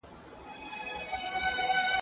حوصله درلودل د انسان شخصیت ته بشپړتیا ورکوي.